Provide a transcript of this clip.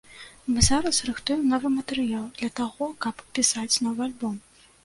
Мы зараз рыхтуем новы матэрыял для таго, каб пісаць новы альбом.